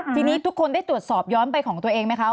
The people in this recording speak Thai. ทีนี้ทุกคนได้ตรวจสอบย้อนไปของตัวเองไหมคะ